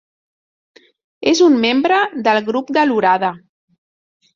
És un membre del Grup de l'Orada.